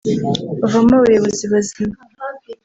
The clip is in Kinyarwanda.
bavamo abayobozi bazima